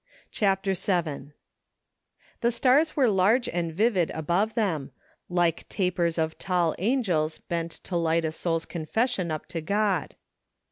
CHAPTER VII The stars were large and vivid above them, like tapers of tall angels bent to light a soul's confession up to God.